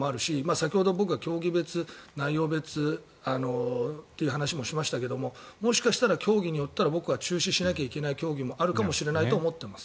先ほど僕が競技別、内容別という話もしましたけど僕はもしかしたら競技によっては中止しなきゃいけない競技もあるかもしれないと思っています。